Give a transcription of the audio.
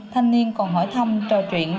thanh niên còn hỏi thăm trò chuyện